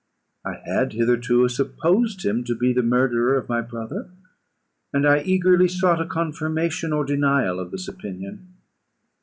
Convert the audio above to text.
I had hitherto supposed him to be the murderer of my brother, and I eagerly sought a confirmation or denial of this opinion.